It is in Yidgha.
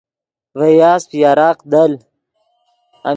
ڤے یاسپ یراق دل